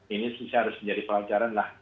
ini saya harus menjadi pelajaran lah